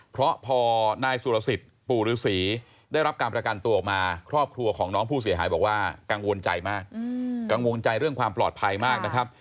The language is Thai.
เพราะพอนายสุรสิทธิ์ปู่ฤษีได้รับการประกันตัวออกมาครอบครัวของน้องผู้เสียหายบอกว่ากังวลใจมากกังวลใจเรื่องความปลอดภัยมากนะครับ